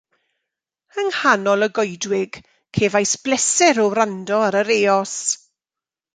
Yng nghanol y goedwig cefais bleser o wrando ar yr eos